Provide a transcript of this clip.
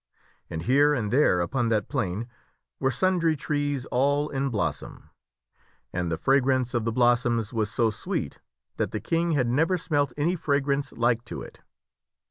And here and there upon that plain were sundry trees all in blossom ; and the fragrance of the blossoms was so sweet that the King had never smelt any fragrance like to it.